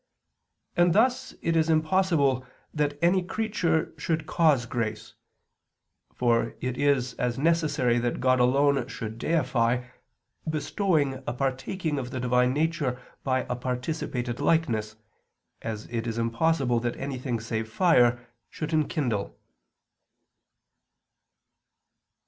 And thus it is impossible that any creature should cause grace. For it is as necessary that God alone should deify, bestowing a partaking of the Divine Nature by a participated likeness, as it is impossible that anything save fire should enkindle.